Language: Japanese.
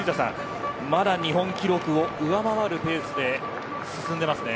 まだ日本記録を上回るペースで進んでいます。